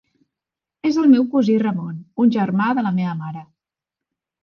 És el meu cosí Ramon, un germà de la meva mare.